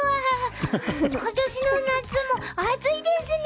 今年の夏も暑いですね。